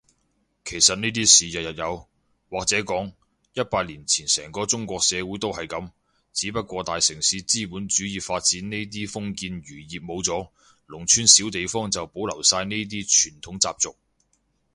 其實呢啲事日日有，或者講，一百年前成個中國社會都係噉，只不過大城市資本主義發展呢啲封建餘孽冇咗，農村小地方就保留晒呢啲傳統習俗